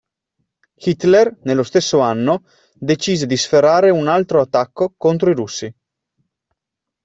Hitler nello stesso anno decise di sferrare un altro attacco contro i russi.